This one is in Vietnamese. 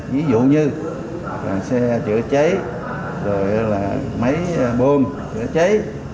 ví dụ như xe chữa cháy máy bôm chữa cháy